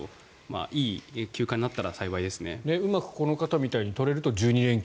いい休暇になったらうまくこの方みたいに取れると１２連休。